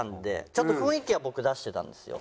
ちょっと雰囲気は僕出してたんですよ